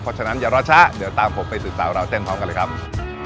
เพราะฉะนั้นอย่ารอช้าเดี๋ยวตามผมไปสืบสาวราวเส้นพร้อมกันเลยครับ